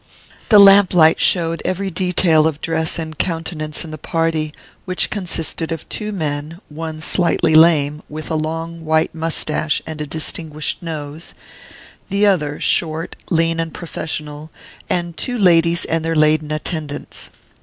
The lamp light showed every detail of dress and countenance in the party, which consisted of two men, one slightly lame, with a long white moustache and a distinguished nose, the other short, lean and professional, and of two ladies and their laden attendants.